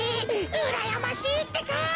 うらやましいってか！